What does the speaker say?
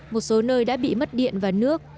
một số nơi đã bị mất điện và nước